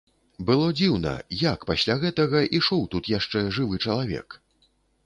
Было дзіўна, як пасля гэтага ішоў тут яшчэ жывы чалавек.